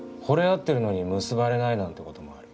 合ってるのに結ばれないなんてこともある。